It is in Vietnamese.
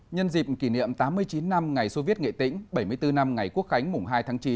nhân dịp kỷ niệm tám mươi chín năm ngày soviet nghệ tĩnh bảy mươi bốn năm ngày quốc khánh mùng hai tháng chín